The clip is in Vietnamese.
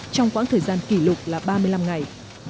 trong quãng thời gian kỷ lục là ba mươi năm ngày